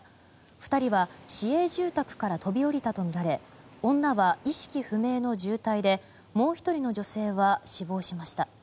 ２人は市営住宅から飛び降りたとみられ女は意識不明の重体でもう１人の女性は死亡しました。